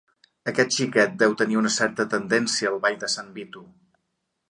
Aquest xiquet deu tenir una certa tendència al ball de sant Vito.